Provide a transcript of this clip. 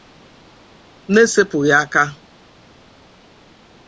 n'esepughị aka